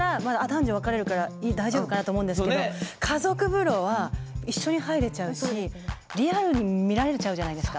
男女分かれるから大丈夫かなと思うんですけど家族風呂は一緒に入れちゃうしリアルに見られちゃうじゃないですか。